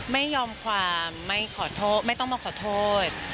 ไม่ยอมความไม่ต้องมาขอโทษ